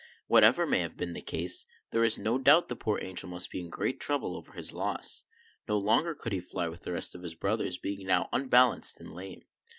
Whatever may have been the cause, there is no doubt the poor angel must be in great trouble over his loss. No longer could he fly with the rest of his brothers, being now unbalanced and lame.